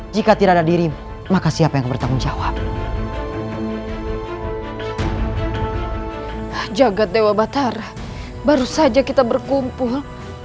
jika tidak ada diri maka siapa yang bertanggung jawab jagad dewa batara baru saja kita berkumpul